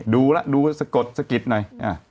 ดูแล้วดูสะกดสะกิดหน่อย